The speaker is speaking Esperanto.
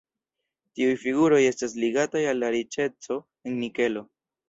Tiuj figuroj estas ligataj al la riĉeco en nikelo.